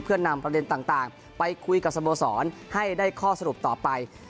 เพื่อนำประเด็นต่างไปคุยกับสโมสรให้ได้ข้อสรุปต่อไป